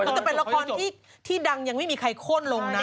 มันจะเป็นละครที่ดังยังไม่มีใครโค้นลงนะ